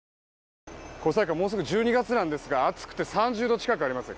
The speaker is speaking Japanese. もうすぐ１２月なんですが暑くて３０度近くあります。